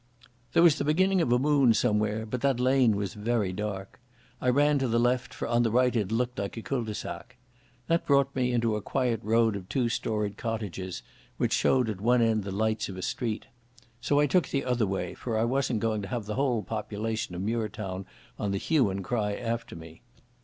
There was the beginning of a moon somewhere, but that lane was very dark. I ran to the left, for on the right it looked like a cul de sac. This brought me into a quiet road of two storied cottages which showed at one end the lights of a street. So I took the other way, for I wasn't going to have the whole population of Muirtown on the hue and cry after me.